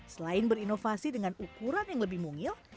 selain berinovasi dengan ukuran yang lebih mungil